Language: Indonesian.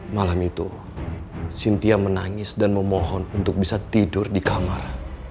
malam itu cynthia menangis dan memohon untuk bisa tidur di kamar